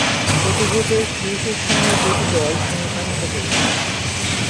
প্রতি গ্রুপের শীর্ষস্থানীয় দু'টি দল সেমি-ফাইনালে পৌঁছায়।